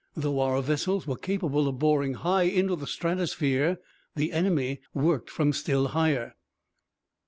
Though our vessels were capable of boring high into the stratosphere, the enemy worked from still higher.